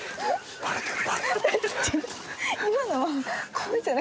バレてる。